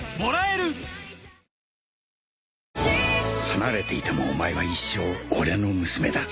離れていてもお前は一生俺の娘だ。